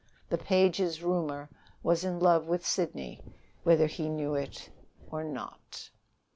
The Pages' roomer was in love with Sidney whether he knew it or not.